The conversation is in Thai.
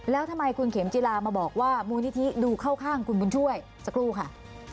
แล้วทำไมคุณเข็มจิลามาบอกว่ามูลนิธิดูเข้าข้างคุณบุญช่วยสักครู่ค่ะ